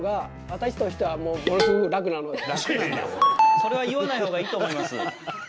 それは言わないほうがいいと思います。